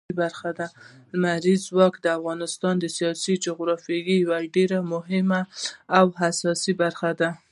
لمریز ځواک د افغانستان د سیاسي جغرافیې یوه ډېره مهمه او اساسي برخه ده.